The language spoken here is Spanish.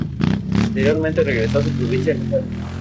Posteriormente regresó a su provincia natal.